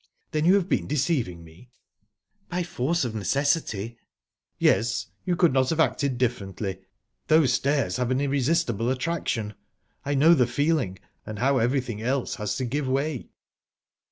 "Then you have been deceiving me?" "By force of necessity." "Yes, you could not have acted differently. Those stairs have an irresistible attraction. I know the feeling, and how everything else has to give way."